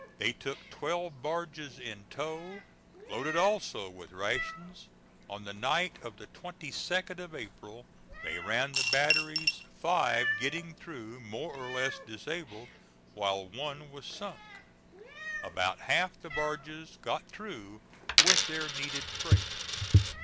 They took twelve barges in tow, loaded also with rations. On the night of the 22d of April they ran the batteries, five getting through more or less disabled while one was sunk. About half the barges got through with their needed freight.